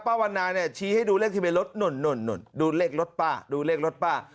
ป้าวันนาเนี่ยชี้ให้ดูเลขที่เป็นรถหน่นหน่นหน่นดูเลขรถป้าดูเลขรถป้า